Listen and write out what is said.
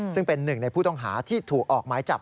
ซึ่งเป็นหนึ่งในผู้ต้องหาที่ถูกออกหมายจับ